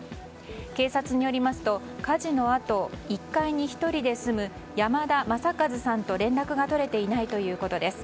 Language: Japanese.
警察によりますと火事のあと、１階に１人で住む山田政一さんと連絡が取れていないということです。